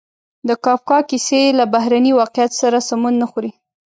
د کافکا کیسې له بهرني واقعیت سره سمون نه خوري.